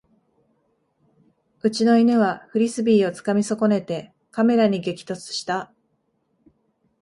うちの犬はフリスビーをつかみ損ねてカメラに激突した